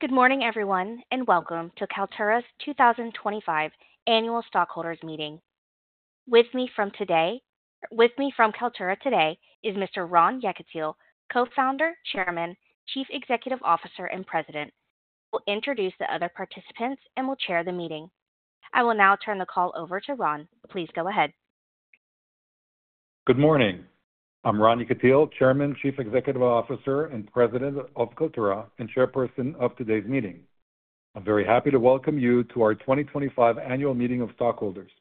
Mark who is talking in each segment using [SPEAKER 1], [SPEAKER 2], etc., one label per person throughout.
[SPEAKER 1] Good morning, everyone, and welcome to Kaltura's 2025 Annual Stockholders Meeting. With me from Kaltura today is Mr. Ron Yekutiel, Co-Founder, Chairman, Chief Executive Officer, and President. I will introduce the other participants and will chair the meeting. I will now turn the call over to Ron. Please go ahead.
[SPEAKER 2] Good morning. I'm Ron Yekutiel, Chairman, Chief Executive Officer, and President of Kaltura, and Chairperson of today's meeting. I'm very happy to welcome you to our 2025 Annual Meeting of Stockholders.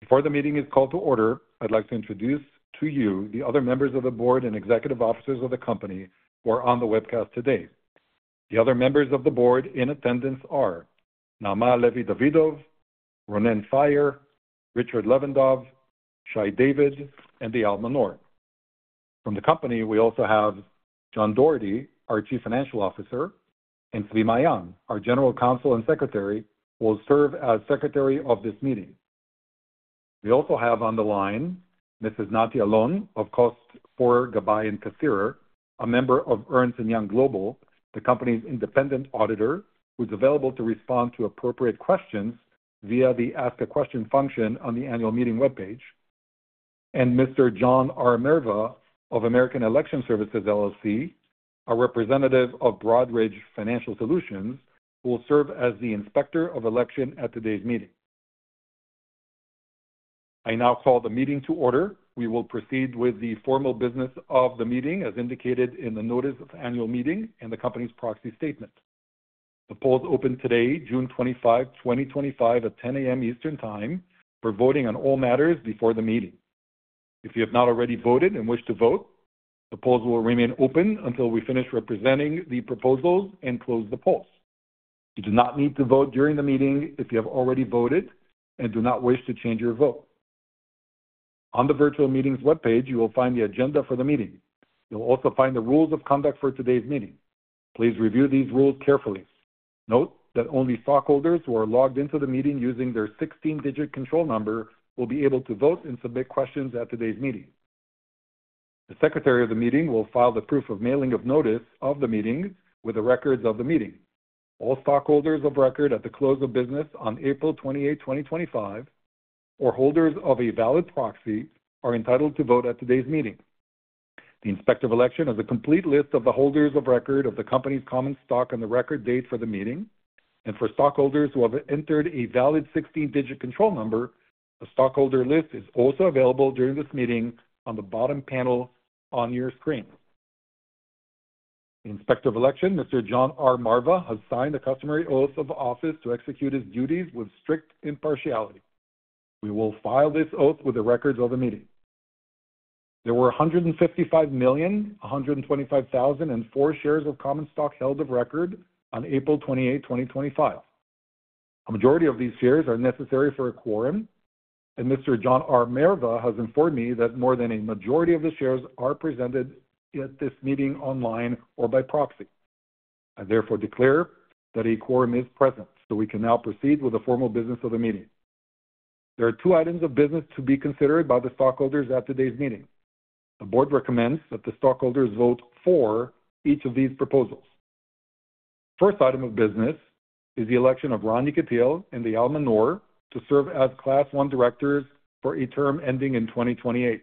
[SPEAKER 2] Before the meeting is called to order, I'd like to introduce to you the other members of the board and executive officers of the company who are on the webcast today. The other members of the board in attendance are Nama Levi Davidoff, Ronen Fayer, Richard Levendusky, Shai David, and Eyal Manor From the company, we also have John Doherty, our Chief Financial Officer, and Silema Yang, our General Counsel and Secretary, who will serve as Secretary of this meeting. We also have on the line Mrs. We also have on the line Mrs. Nati Alon of Kost Forer Gabbay & Kasierer, a member of Ernst & Young Global, the company's independent auditor, who's available to respond to appropriate questions via the Ask a Question function on the Annual Meeting webpage, and Mr. John R. Merva of American Election Services, a representative of Broadridge Financial Solutions, who will serve as the Inspector of Election at today's meeting. I now call the meeting to order. We will proceed with the formal business of the meeting as indicated in the Notice of Annual Meeting and the company's proxy statement. The polls open today, June 25, 2025, at 10:00 A.M. Eastern Time for voting on all matters before the meeting. If you have not already voted and wish to vote, the polls will remain open until we finish representing the proposals and close the polls. You do not need to vote during the meeting if you have already voted and do not wish to change your vote. On the virtual meeting's webpage, you will find the agenda for the meeting. You'll also find the rules of conduct for today's meeting. Please review these rules carefully. Note that only stockholders who are logged into the meeting using their 16-digit control number will be able to vote and submit questions at today's meeting. The Secretary of the meeting will file the proof of mailing of notice of the meeting with the records of the meeting. All stockholders of record at the close of business on April 28, 2025, or holders of a valid proxy are entitled to vote at today's meeting. The Inspector of Election has a complete list of the holders of record of the company's common stock and the record date for the meeting. For stockholders who have entered a valid 16-digit control number, the stockholder list is also available during this meeting on the bottom panel on your screen. The Inspector of Election, Mr. John R. Merva, has signed the customary oath of office to execute his duties with strict impartiality. We will file this oath with the records of the meeting. There were 155,125,004 shares of common stock held of record on April 28, 2025. A majority of these shares are necessary for a quorum, and Mr. John R. Merva has informed me that more than a majority of the shares are presented at this meeting online or by proxy. I therefore declare that a quorum is present, so we can now proceed with the formal business of the meeting. There are two items of business to be considered by the stockholders at today's meeting. The board recommends that the stockholders vote for each of these proposals. The first item of business is the election of Ron Yekutiel and Talia Manor to serve as Class 1 Directors for a term ending in 2028.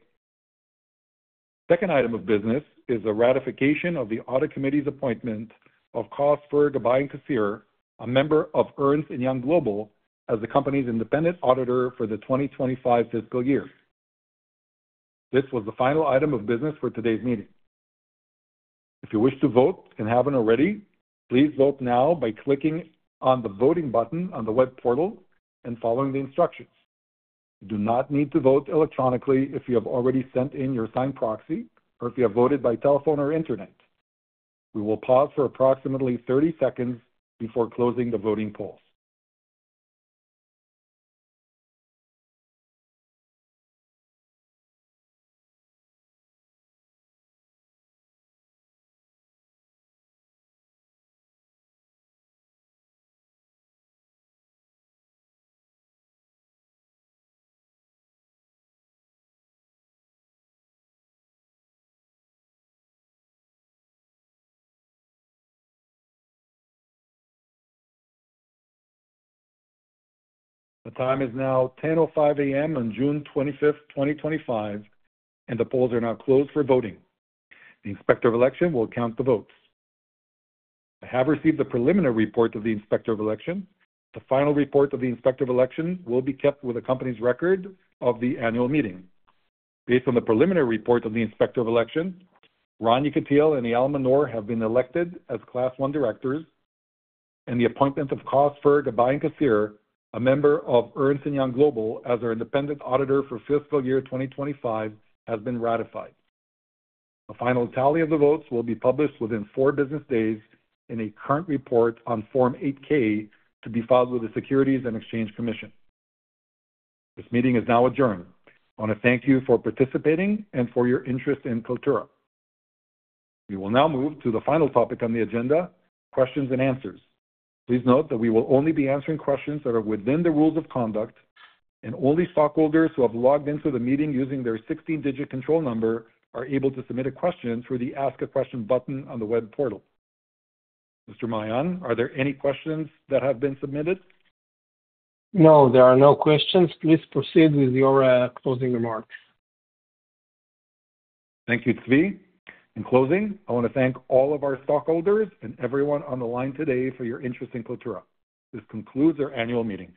[SPEAKER 2] The second item of business is the ratification of the Audit Committee's appointment of Kost Forer Gabbay & Kasierer, a member of Ernst & Young Global, as the company's independent auditor for the 2025 fiscal year. This was the final item of business for today's meeting. If you wish to vote and haven't already, please vote now by clicking on the voting button on the web portal and following the instructions. You do not need to vote electronically if you have already sent in your signed proxy or if you have voted by telephone or internet. We will pause for approximately 30 seconds before closing the voting polls. The time is now 10:05 A.M. on June 25, 2025, and the polls are now closed for voting. The Inspector of Election will count the votes. I have received the preliminary report of the Inspector of Election, but the final report of the Inspector of Election will be kept with the company's record of the annual meeting. Based on the preliminary report of the Inspector of Election, Ron Yekutiel and Eyal Manor have been elected as Class 1 Directors, and the appointment of Kost Forer Gabbay & Kasierer, a member of Ernst & Young Global, as our independent auditor for fiscal year 2025, has been ratified. The final tally of the votes will be published within four business days in a current report on Form 8-K to be filed with the Securities and Exchange Commission. This meeting is now adjourned. I want to thank you for participating and for your interest in Kaltura. We will now move to the final topic on the agenda, questions and answers. Please note that we will only be answering questions that are within the rules of conduct, and only stockholders who have logged into the meeting using their 16-digit control number are able to submit a question through the Ask a Question button on the web portal. Mr. Maayan, are there any questions that have been submitted?
[SPEAKER 3] No, there are no questions. Please proceed with your closing remarks.
[SPEAKER 2] Thank you, Zvi. In closing, I want to thank all of our stockholders and everyone on the line today for your interest in Kaltura. This concludes our annual meeting.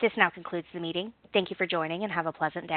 [SPEAKER 1] This now concludes the meeting. Thank you for joining and have a pleasant day.